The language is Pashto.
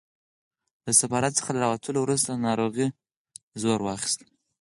له سفارت څخه له راوتلو وروسته ناروغۍ زور واخیست.